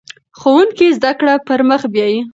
ښوونکی زده کړه پر مخ بیايي.